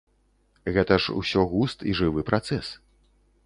Гэта ж усё густ і жывы працэс.